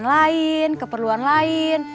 lain keperluan lain